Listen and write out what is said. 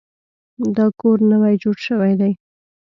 دا کور نوی جوړ شوی دی.